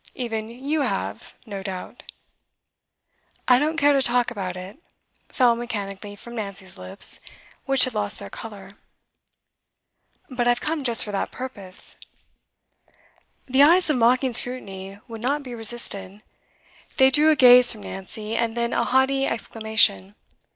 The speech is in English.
Even you have, no doubt?' 'I don't care to talk about it,' fell mechanically from Nancy's lips, which had lost their colour. 'But I've come just for that purpose.' The eyes of mocking scrutiny would not be resisted. They drew a gaze from Nancy, and then a haughty exclamation.